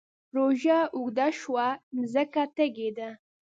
روژه اوږده شوه مځکه تږې ده